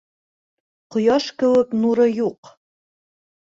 Ҡояш кеүек нуры юҡ